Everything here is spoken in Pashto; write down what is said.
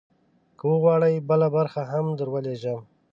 که وغواړې، بله برخه هم درولیږم.